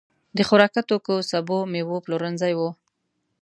د خوراکتوکو، سبو، مېوو پلورنځي وو.